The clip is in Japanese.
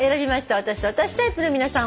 私と私タイプの皆さん